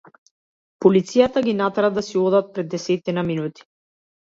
Полицијата ги натера да си одат пред десетина минути.